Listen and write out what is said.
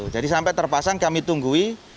jadi sampai terpasang kami tunggu